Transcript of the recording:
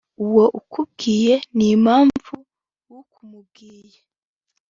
uwo ukubwiye n’impamvu ukumubwiye